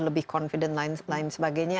lebih percaya diri lain sebagainya